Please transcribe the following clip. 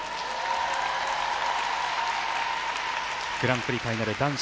グランプリファイナル男子